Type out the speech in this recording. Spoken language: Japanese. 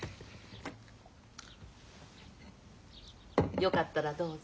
よかったらどうぞ。